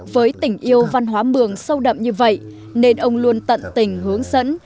với tình yêu văn hóa mường sâu đậm như vậy nên ông luôn tận tình hướng dẫn